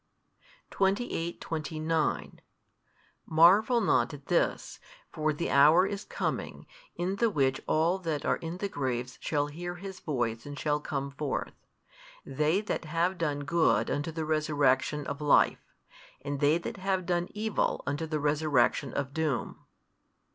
28, 29 Marvel not at this: for the hour is coming, in the which all that are in the graves shall hear His Voice and shall come forth; they that have done good unto the resurrection of life, and they that have done evil unto the resurrection of doom.